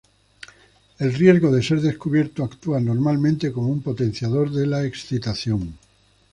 El riesgo de ser descubierto actúa normalmente como un potenciador de la excitación.